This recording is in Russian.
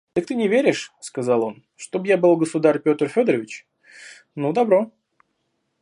«Так ты не веришь, – сказал он, – чтоб я был государь Петр Федорович? Ну, добро.